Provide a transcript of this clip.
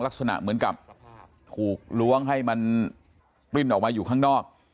ลักษณะเหมือนกับถูกล้วงให้มันปริ้นออกมาอยู่ข้างนอก